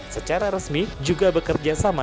secara resmi juga bekerja sama